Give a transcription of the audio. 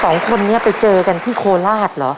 สองคนนี้ไปเจอกันที่โคราชเหรอ